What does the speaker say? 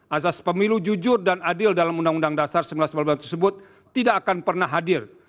azas pemilu jujur dan adil dalam undang undang dasar seribu sembilan ratus empat puluh lima tersebut tidak akan pernah hadir